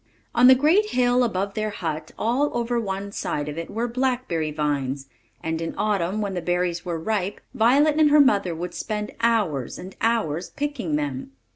On the great hill above their hut, all over one side of it, were blackberry vines; and in autumn, when the berries were ripe, Violet and her mother would spend hours and hours picking them.